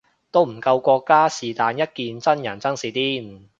都唔夠國家是但一件真人真事癲